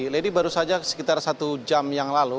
lady baru saja sekitar satu jam yang lalu